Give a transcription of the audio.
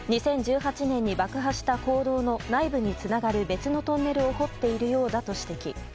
２０１８年に爆破した坑道の内部につながる別のトンネルを掘っているようだと指摘。